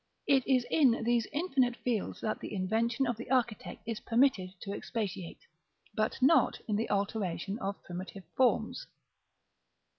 It is in these infinite fields that the invention of the architect is permitted to expatiate, but not in the alteration of primitive forms.